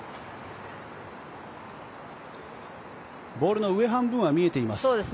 ボールの上半分は見えています。